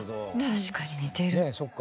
確かに似てる。